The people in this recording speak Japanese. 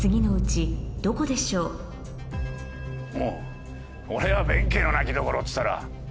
もうこれは弁慶の泣き所っつったら。